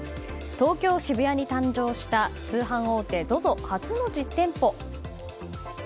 東京・渋谷に誕生した通販大手ＺＯＺＯ初の実店舗。